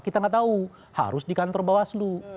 kita nggak tahu harus di kantor bawaslu